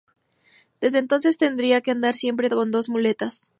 Desde entonces tendría que andar siempre con dos muletas.